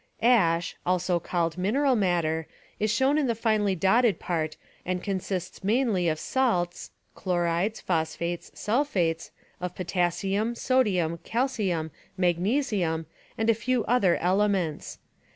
Ash, also called mineral matter, is shown in the finely dotted part and consists mainly of salts (chlorides, phosphates, sulphates) of potas sium, sodium, calcium, magnesium and a few other ele Ash ments.